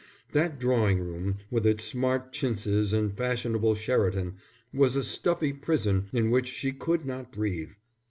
That drawing room, with its smart chintzes and fashionable Sheraton, was a stuffy prison in which she could not breathe.